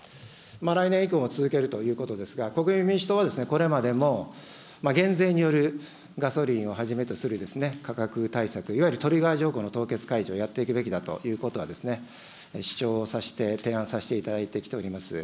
来年以降も続けるということですが、国民民主党はこれまでも減税によるガソリンをはじめとする価格対策、いわゆるトリガー条項の凍結解除をやっていくべきだということは、主張をさせて、提案させていただいてきております。